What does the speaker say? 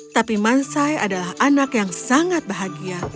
tapi mansai adalah anak yang sangat bahagia